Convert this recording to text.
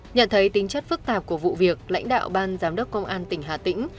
nhận thấy tính chất phức tạp của vụ việc lãnh đạo ban giám đốc công an tỉnh hà tĩnh